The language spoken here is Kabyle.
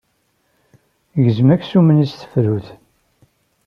Gzem aksum-nni s tefrut.